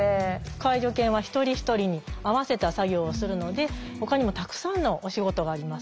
介助犬は一人一人に合わせた作業をするのでほかにもたくさんのお仕事があります。